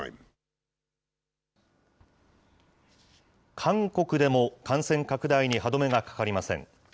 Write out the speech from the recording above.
韓国でも感染拡大に歯止めがかかりません。